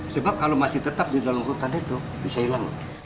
sebab kalau masih tetap di dalam hutan itu bisa hilang